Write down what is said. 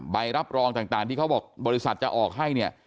ใบรับรองต่างที่เขาบอกบริษัทจะออกให้เนี่ย